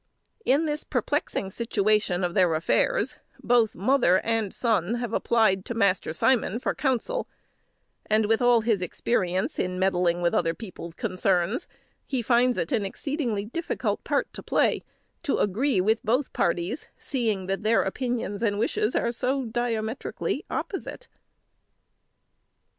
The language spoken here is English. In this perplexing situation of their affairs, both mother and son have applied to Master Simon for counsel; and, with all his experience in meddling with other people's concerns, he finds it an exceedingly difficult part to play, to agree with both parties, seeing that their opinions and wishes are so diametrically opposite.